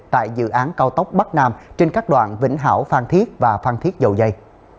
tại dự án cao tốc bắc nam trên các đoạn vĩnh hảo phang thiết và phang thiết dầu dây